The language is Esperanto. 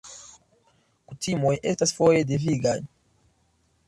Kutimoj estas foje devigaj.